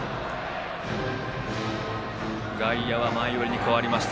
外野は前寄りに変わりました。